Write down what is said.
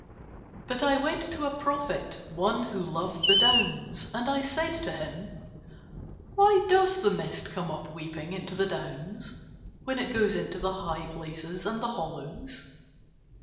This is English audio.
But I went to a prophet, one who loved the Downs, and I said to him: "Why does the mist come up weeping into the Downs when it goes into the high places and the hollows?"